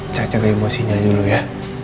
ncat jaga emosinya dulu ya